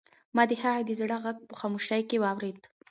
ما د هغې د زړه غږ په خاموشۍ کې واورېد.